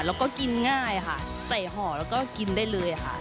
แล้วก็กินง่ายค่ะใส่ห่อแล้วก็กินได้เลยค่ะ